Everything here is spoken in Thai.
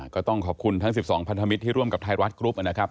ก็ต้องขอบคุณทั้ง๑๒พันธมิตรที่ร่วมกับไทยรัฐกรุ๊ปนะครับ